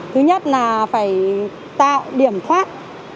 thứ nhất là phải tạo điểm thoát